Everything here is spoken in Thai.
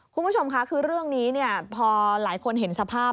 คุณผู้ชมค่ะคือเรื่องนี้พอหลายคนเห็นสภาพ